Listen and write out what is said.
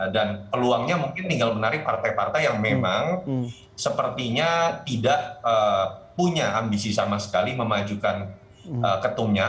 dan peluangnya mungkin tinggal menarik partai partai yang memang sepertinya tidak punya ambisi sama sekali memajukan ketumnya